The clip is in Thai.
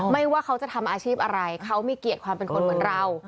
ว่าเขาจะทำอาชีพอะไรเขามีเกียรติความเป็นคนเหมือนเรา